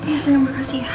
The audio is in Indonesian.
ya silahkan makasih ya